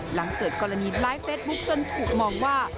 หลังเกิดกรณีไลฟ์เฟซบุ๊คจนถูกมองว่า